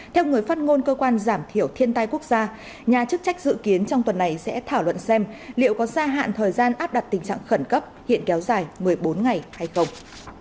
theo người phát ngôn cơ quan giảm thiểu thiên tai quốc gia nhà chức trách dự kiến trong tuần này sẽ thảo luận xem liệu có gia hạn thời gian áp đặt tình trạng khẩn cấp hiện kéo dài một mươi bốn ngày hay không